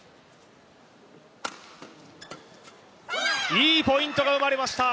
いいポイントが生まれました！